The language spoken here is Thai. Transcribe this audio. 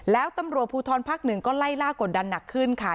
แล้วตำรวจภูทรภักดิ์๑ก็ไล่ล่ากดดันหนักขึ้นค่ะ